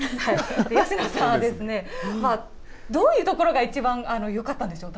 吉野さんはどういうところが一番よかったんでしょう？